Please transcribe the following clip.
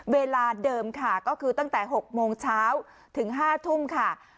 เวลาเดิมค่ะก็คือตั้งแต่๖โมงเช้าถึง๕ทุ่มค่ะ